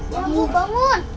ya bu bangun